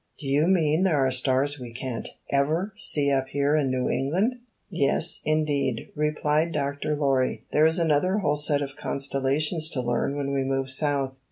"Do you mean there are stars we can't ever see up here in New England?" "Yes, indeed," replied Dr. Lorry. "There is another whole set of constellations to learn when we move South.